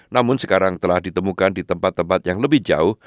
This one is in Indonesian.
namun sekarang telah ditemukan di tempat tempat yang lebih jauh